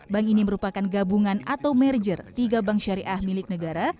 bank ini merupakan gabungan atau merger tiga bank syariah milik negara